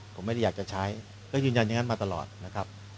ผมไม่ได้อยากจะใช้ก็ยืนยันอย่างนั้นมาตลอดนะครับ